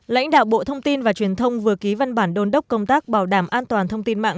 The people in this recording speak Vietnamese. lãnh đạo bộ thông tin và truyền thông vừa ký văn bản đôn đốc công tác bảo đảm an toàn thông tin mạng